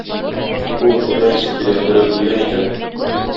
Фу, адәм исе килә, берәү килгән икән.